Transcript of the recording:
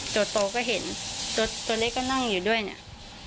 โตก็เห็นตัวเล็กก็นั่งอยู่ด้วยเนี่ย